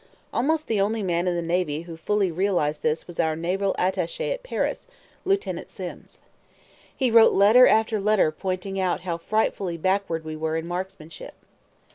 Almost the only man in the navy who fully realized this was our naval attache at Paris, Lieutenant Sims. He wrote letter after letter pointing out how frightfully backward we were in marksmanship.